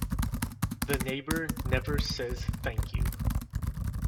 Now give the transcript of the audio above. The neighbor never says thank you.